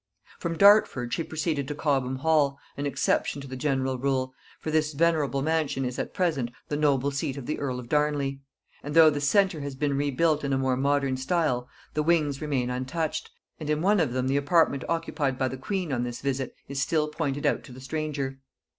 From Dartford she proceeded to Cobham Hall, an exception to the general rule, for this venerable mansion is at present the noble seat of the earl of Darnley; and though the centre has been rebuilt in a more modern style, the wings remain untouched, and in one of them the apartment occupied by the queen on this visit is still pointed out to the stranger.